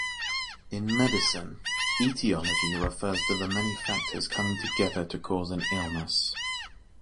In medicine, etiology refers to the many factors coming together to cause an illness.